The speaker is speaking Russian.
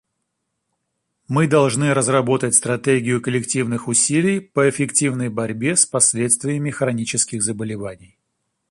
Мы должны разработать стратегию коллективных усилий по эффективной борьбе с последствиями хронических заболеваний.